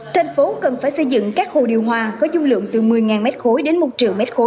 thành phố cần phải xây dựng các hồ điều hòa có dung lượng từ một mươi m ba đến một triệu m ba